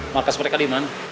markas mereka diman